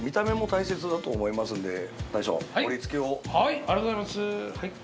ありがとうございます。